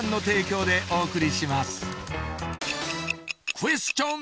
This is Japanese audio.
クエスチョン！